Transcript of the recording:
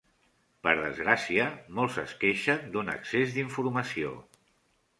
Per desgràcia, molts es queixen d'un excés d'informació.